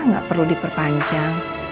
gak perlu diperpanjang